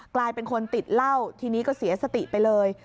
กลายเป็นคนติดเหล้าทีนี้ก็เสียสติไปเลย